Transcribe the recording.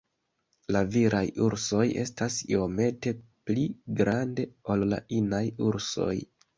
La viraj ursoj estas iomete pli grande ol la inaj ursoj.